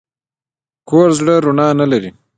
کوږ زړه رڼا نه لري